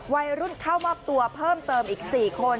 วัยรุ่นเข้ามอบตัวเพิ่มเติมอีก๔คน